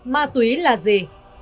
ma túy là gì